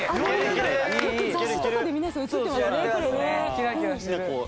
キラキラしてる。